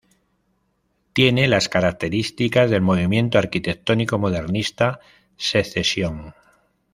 Tiene las características del movimiento arquitectónico modernista Sezession.